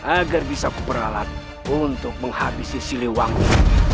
agar bisa kuperalat untuk menghabisi siliwangi